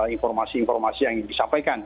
informasi informasi yang disampaikan